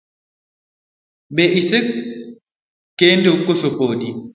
Be isekendo kose podi.